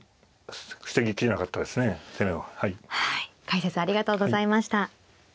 解説ありがとうございました。